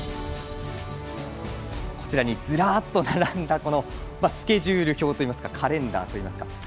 こちらにずらっと並んだスケジュール表といいますかカレンダーといいますか。